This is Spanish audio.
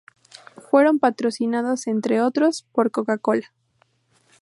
Fueron patrocinados, entre otros, por Coca-Cola.